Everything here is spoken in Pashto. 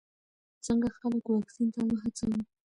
څنګه خلک واکسین ته وهڅوو؟